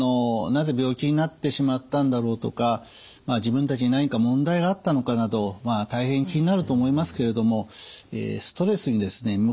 なぜ病気になってしまったんだろうとか自分たちに何か問題があったのかなど大変気になると思いますけれどもストレスにですね